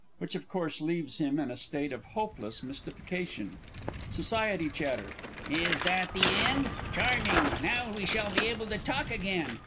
[Which of course leaves him in a state of hopeless mystification. SOC. CHAT. Is that the end? Charming! Now we shall be able to talk again!